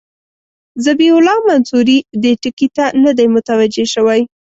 ذبیح الله منصوري دې ټکي ته نه دی متوجه شوی.